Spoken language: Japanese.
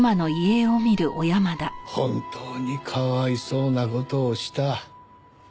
本当にかわいそうな事をした。